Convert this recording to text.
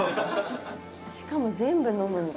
しかも全部飲むんだ。